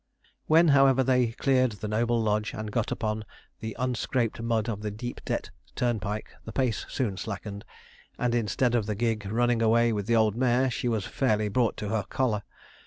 When, however, they cleared the noble lodge and got upon the unscraped mud of the Deepdebt turnpike, the pace soon slackened, and, instead of the gig running away with the old mare, she was fairly brought to her collar.